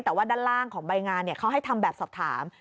แต่ว่าด้านล่างของใบงานเขาให้ทำแบบสอบถาม